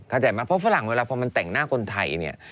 เข้าใจไหมเพราะฝรั่งเวลาพอมันแต่งหน้าคนไทยเนี่ย